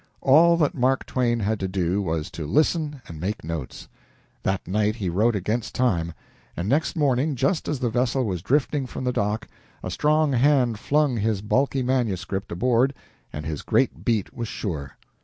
All that Mark Twain had to do was to listen and make notes. That night he wrote against time, and next morning, just as the vessel was drifting from the dock, a strong hand flung his bulky manuscript aboard and his great beat was sure.